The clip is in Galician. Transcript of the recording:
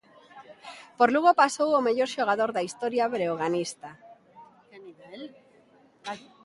Por Lugo pasou o mellor xogador da historia breoganista.